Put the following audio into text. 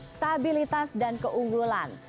stabilitas dan keunggulan